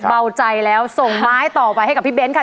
เบาใจแล้วส่งไม้ต่อไปให้กับพี่เบ้นค่ะ